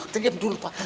tengok dulu pak